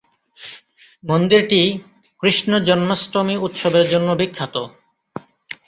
মন্দিরটি কৃষ্ণ জন্মাষ্টমী উৎসবের জন্য বিখ্যাত।